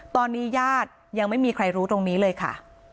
ตอนนี้ญาติยังไม่มีใครรู้ตรงนี้เลยค่ะ